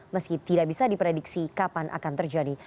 meski tidak bisa diprediksi kapan akan terjadi